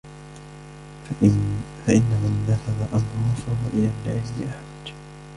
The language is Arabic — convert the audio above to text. فَإِنَّ مَنْ نَفَذَ أَمْرُهُ فَهُوَ إلَى الْعِلْمِ أَحْوَجُ